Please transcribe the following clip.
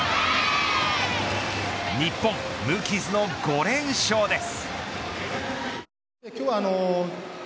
日本、無傷の５連勝です。